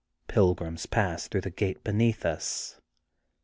Pilgrims pass through the gate beneath us.